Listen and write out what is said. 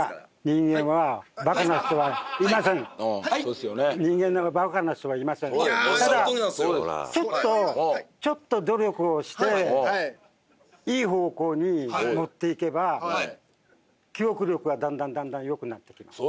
人間は馬鹿な人はいませんおっしゃるとおりなんですよただちょっと努力をしていい方向に持っていけば記憶力はだんだんだんだんよくなってきます